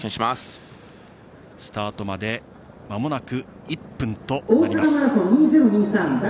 スタートまでまもなく１分となります。